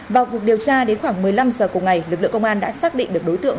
vào cuộc điều tra đến khoảng một mươi năm h cùng ngày lực lượng công an đã xác định được đối tượng